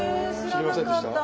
知りませんでした？